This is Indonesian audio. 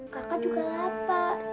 kakak juga lapar